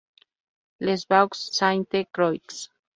Les Baux-Sainte-Croix